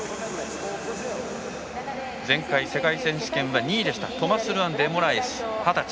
前回、世界選手権２位だったトマスルアン・デモラエス二十歳。